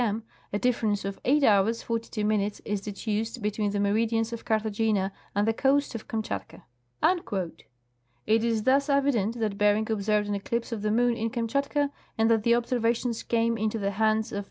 m., a difference of 8h. 42m. is deduced be tween the meridians of Carthagena and the coast of Kamtshat." It is thus evident that Bering observed an eclipse of the moon in Kam shatka, and that the observations came into the hands of M.